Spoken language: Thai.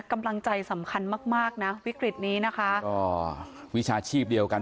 กำลังใจสำคัญมากมากนะวิกฤตนี้นะคะก็วิชาชีพเดียวกัน